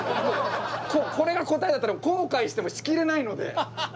これが答えだったら後悔してもしきれないので。